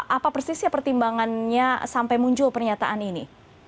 apa persisnya pertimbangannya sampai muncul pernyataan ini